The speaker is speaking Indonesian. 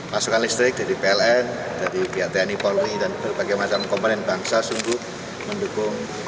pasukan listrik dari pln dari pihak tni polri dan berbagai macam komponen bangsa sungguh mendukung